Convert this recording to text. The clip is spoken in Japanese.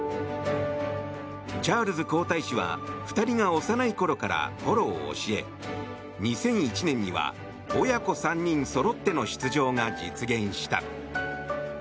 チャールズ皇太子は２人が幼いころからポロを教え２００１年には親子３人そろっての出場が実現した。